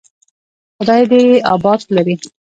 خداى دې يې اباد لري.